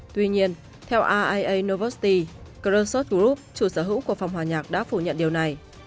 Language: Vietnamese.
tuy nhiên theo ria novosti krasov group chủ sở hữu của phòng hòa nhạc đã phủ nhận điều này